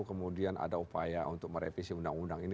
kemudian ada upaya untuk merevisi undang undang ini